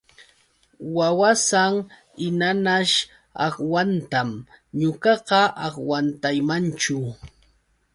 Wawasan hinañaćh agwantan ñuqaqa agwantaymanchu.